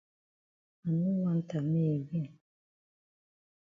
I no want am me again.